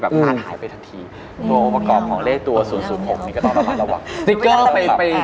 และสามารถหายไปทันทีประกอบของเลขตัว๐๐๖นี่ก็ต้องระวังระหว่าง